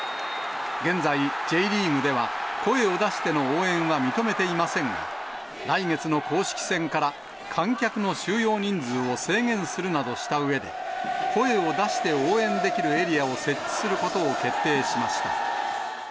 現在、Ｊリーグでは声を出しての応援は認めていませんが、来月の公式戦から、観客の収容人数を制限するなどしたうえで、声を出して応援できるエリアを設置することを決定しました。